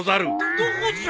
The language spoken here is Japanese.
どこじゃ？